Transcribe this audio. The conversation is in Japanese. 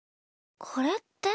これって？